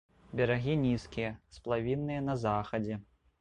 Берагі нізкія, сплавінныя на захадзе.